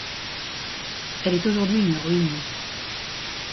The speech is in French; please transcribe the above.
Elle est aujourd'hui une ruine.